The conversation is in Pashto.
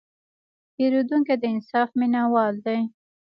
پیرودونکی د انصاف مینهوال دی.